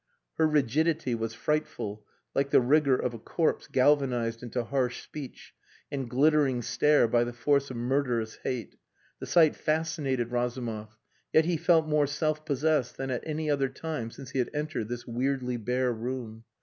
Her rigidity was frightful, like the rigor of a corpse galvanized into harsh speech and glittering stare by the force of murderous hate. The sight fascinated Razumov yet he felt more self possessed than at any other time since he had entered this weirdly bare room.